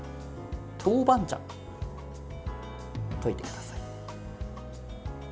豆板醤、溶いてください。